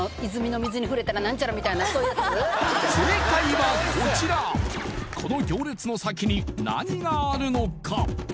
正解はこちらこの行列の先に何があるのか？